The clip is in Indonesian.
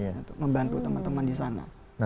untuk membantu teman teman di sana